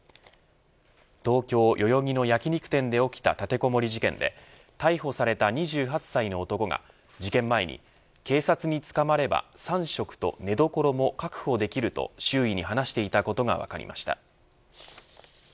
東京、代々木の焼き肉店で起きた立てこもり事件で逮捕された２８歳の男は事件前に警察に捕まれば３食と寝所も確保できると周囲に話していたことが分かりました。